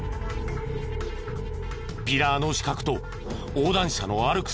ピラーの死角と横断者の歩く